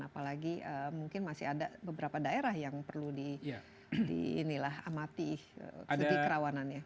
apalagi mungkin masih ada beberapa daerah yang perlu di amati di kerawanannya